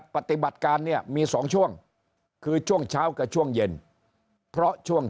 ปฏิบัติการเนี่ยมี๒ช่วงคือช่วงเช้ากับช่วงเย็นเพราะช่วง